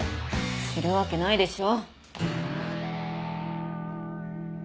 知るわけないでしょ。